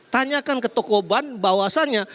tanyakan ke toko ban bahwasannya